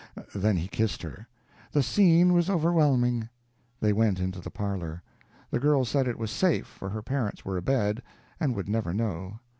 Then he kissed her. "The scene was overwhelming." They went into the parlor. The girl said it was safe, for her parents were abed, and would never know.